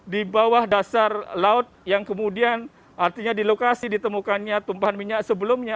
di bawah dasar laut yang kemudian artinya di lokasi ditemukannya tumpahan minyak sebelumnya